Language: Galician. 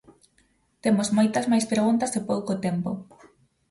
Temos moitas máis preguntas e pouco tempo.